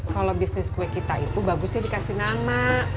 kalau bisnis kue kita itu bagusnya dikasih nama